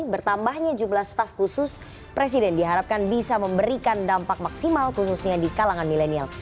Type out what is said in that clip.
bertambahnya jumlah staff khusus presiden diharapkan bisa memberikan dampak maksimal khususnya di kalangan milenial